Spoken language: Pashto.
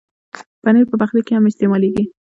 پنېر په پخلي کې هم استعمالېږي.